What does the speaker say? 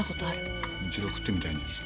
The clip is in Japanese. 一度食ってみたいんだけど。